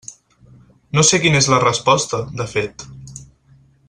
No sé quina és la resposta, de fet.